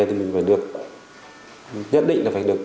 thì mình phải được